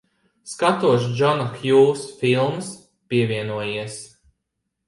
Skatos Džona Hjūsa filmas. Pievienojies.